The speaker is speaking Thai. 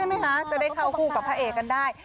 ไหมคะจะได้เข้าคู่กับพระเอกกันได้